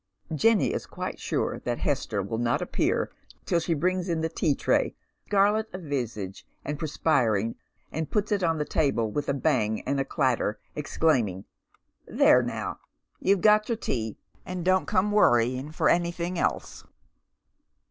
Jenny is quite sure that Hester will not appear till she brings in the tea tray, scarlet of visage and perspiring, and puts it on the table with a bang and a clatter, exclaiming, " There now, you've got your tea, and don't come worrying for anything else."